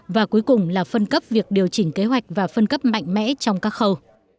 và cuối cùng là phân cấp việc điều chỉnh kế hoạch và phân cấp mạnh mẽ trong các khâu